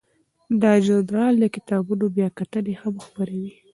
دا ژورنال د کتابونو بیاکتنې هم خپروي.